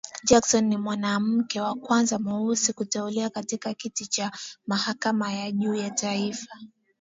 Jackson ni mwanamke wa kwanza mweusi kuteuliwa katika kiti cha mahakama ya juu zaidi ya taifa.